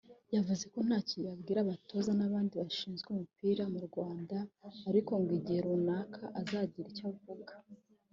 yavuze ko ntacyo yabwira abatoza n’abandi bashinzwe umupira mu Rwanda ariko ngo igihe runaka azagira icyo avuga